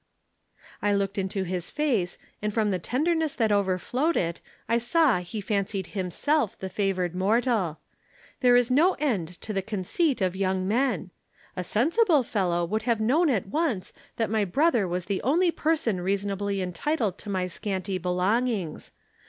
"I looked into his face and from the tenderness that overflowed it I saw he fancied himself the favored mortal. There is no end to the conceit of young men. A sensible fellow would have known at once that my brother was the only person reasonably entitled to my scanty belongings.